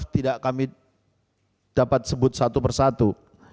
tidak kami dapat sebut satu persatu